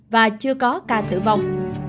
và chưa có ca tử vong